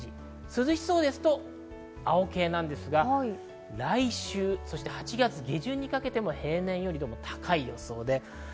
涼しそうですと青系ですが、来週、そして８月下旬にかけても平年より高い予想です。